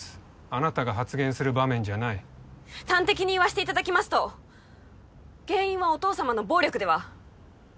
あなたが発言する場面じゃない端的に言わせていただきますと原因はお父様の暴力では？